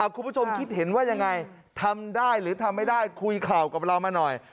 คุณผู้ชมคิดเห็นว่ายังไงทำได้หรือทำไม่ได้คุยข่าวกับเรามาหน่อย